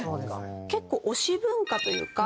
結構推し文化というか。